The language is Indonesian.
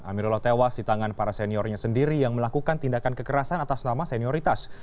amirullah tewas di tangan para seniornya sendiri yang melakukan tindakan kekerasan atas nama senioritas